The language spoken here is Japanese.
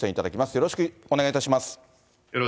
よろしくお願いします。